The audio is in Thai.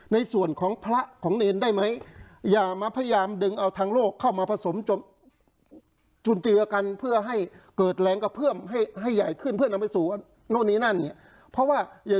ให้ใหญ่ขึ้นเพื่อนเอาไปสู้ว่าโน่นนี่นั่นนี่เพราะว่าอย่า